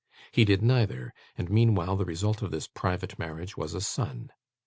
He did neither, and meanwhile the result of this private marriage was a son.